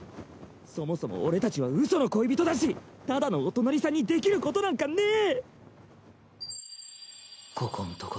そもそも俺たちはうその恋人だしただのお隣さんにできることなんかねぇ！